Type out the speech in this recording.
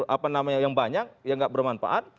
apa namanya yang banyak yang gak bermanfaat